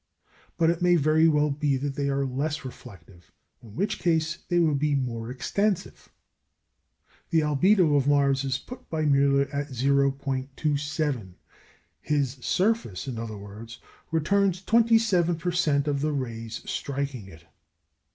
But it may very well be that they are less reflective, in which case they would be more extensive. The albedo of Mars is put by Müller at 0·27; his surface, in other words, returns 27 per cent. of the rays striking it.